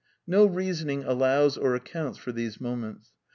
y No reasoning allows or accounts for these moments.